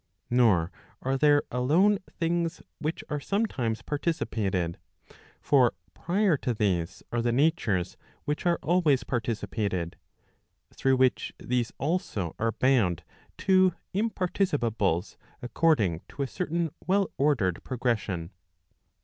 Nor are there alone things which are sometimes participated; for prior to these are the natures which are always participated, through which these also are bound to imparticipa bles according to a certain well ordered progression.